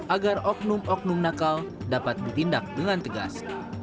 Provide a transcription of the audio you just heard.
agar oknum oknum nakal dapat ditindak dengan tegas